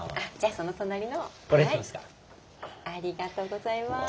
ありがとうございます。